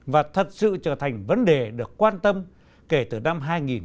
và thật sự trở thành vấn đề được quan tâm kể từ năm hai nghìn một mươi